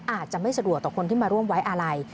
อาจจะไม่สะดวกต่อคนที่มาร่วมไว้อะไร